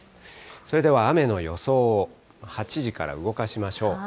それでは雨の予想を、８時から動かしましょう。